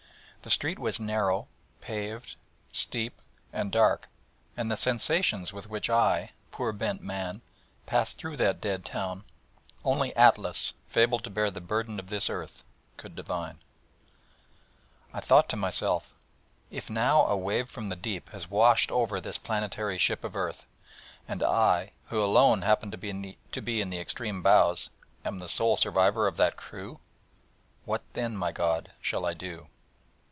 The street was narrow, pavered, steep, and dark; and the sensations with which I, poor bent man, passed through that dead town, only Atlas, fabled to bear the burden of this Earth, could divine. I thought to myself: If now a wave from the Deep has washed over this planetary ship of earth, and I, who alone happened to be in the extreme bows, am the sole survivor of that crew?... What then, my God, shall I do?